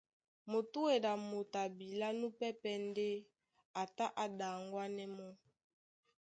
Mutúedi a motoi abilá núpɛ́pɛ̄ ndé a tá a ɗaŋwanɛ mɔ́.